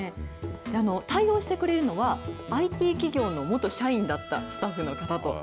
対応してくれるのは、ＩＴ企業の元社員だったスタッフの方と。